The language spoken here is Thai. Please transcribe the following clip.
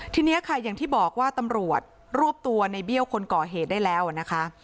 ทีนี้ค่ะอย่างที่บอกว่าตำรวจรวบตัวในเบี้ยวคนก่อเหตุได้แล้วนะคะ